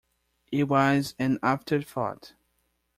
It was an afterthought.